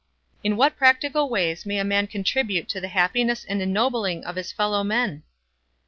In what practical ways may a man contribute to the happiness and ennobling of his fellow men?